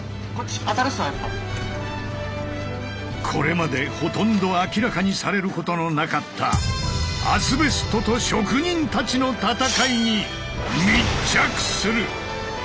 これまでほとんど明らかにされることのなかった「アスベストと職人たちの戦い」に密着する！